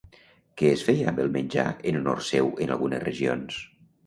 Què es feia amb el menjar en honor seu en algunes regions?